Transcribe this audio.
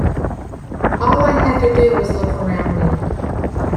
All I had to do was look around me.